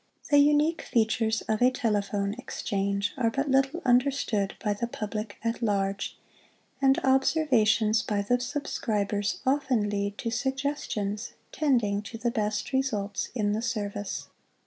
The unique features' of a Telephone Exchange are but little understood by the public at large, and observa tions by the subscribers often lead to suggestions, tending to the best results in the service.